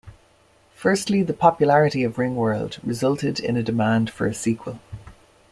Firstly, the popularity of "Ringworld" resulted in a demand for a sequel.